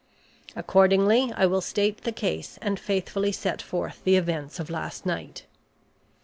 Accordingly I will state the case and faithfully set forth the events of last night.